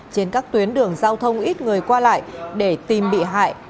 trên các tuyến đường giao thông ít người qua lại để tìm bị hại